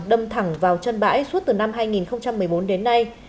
đâm thẳng vào chân bãi suốt từ năm hai nghìn một mươi bốn đến nay